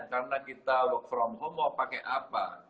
karena kita work from home mau pakai apa